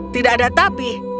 tidak ada tapi